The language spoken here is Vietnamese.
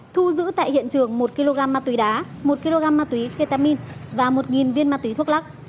thu giữ tại hiện trường một kg ma túy đá một kg ma túy ketamin và một viên ma túy thuốc lắc